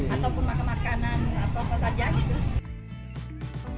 ataupun makan makanan apa apa saja gitu